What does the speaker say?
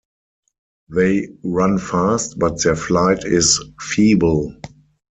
They run fast, but their flight is feeble.